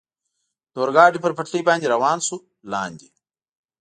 د اورګاډي پر پټلۍ باندې روان شو، لاندې.